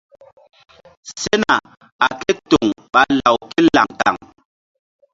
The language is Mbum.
Sena a ké toŋ ɓa law ké laŋ kaŋ.